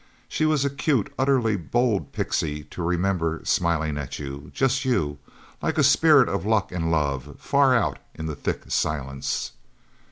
She was a cute, utterly bold pixy to remember smiling at you just you like a spirit of luck and love, far out in the thick silence.